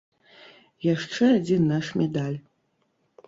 Яшчэ адзін наш медаль!